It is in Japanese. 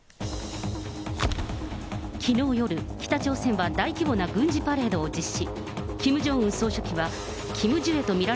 きのう夜、北朝鮮は大規模な軍事パレードを実施。